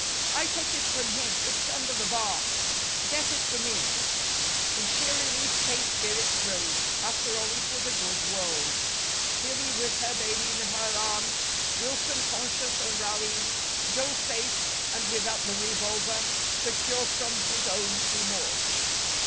"I took it from him. It's under the bar." "Get it for me." In sheer relief, K.'s spirits rose. After all, it was a good world: Tillie with her baby in her arms; Wilson conscious and rallying; Joe safe, and, without the revolver, secure from his own remorse.